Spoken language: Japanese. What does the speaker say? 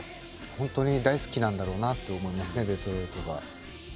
本当に大好きなんだろうなと思いますねデトロイトが。